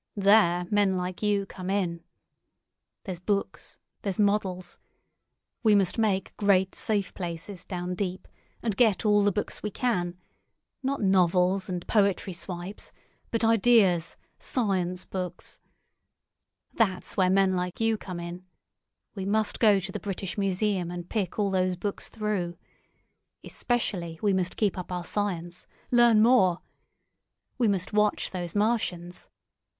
There men like you come in. There's books, there's models. We must make great safe places down deep, and get all the books we can; not novels and poetry swipes, but ideas, science books. That's where men like you come in. We must go to the British Museum and pick all those books through. Especially we must keep up our science—learn more. We must watch these Martians.